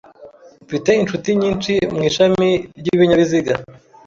Mfite inshuti nyinshi mu ishami ry’ibinyabiziga.